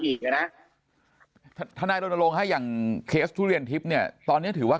อีกนะถ้านายโดนโรงให้อย่างเคสทุเรียนทิศเนี่ยตอนนี้ถือว่า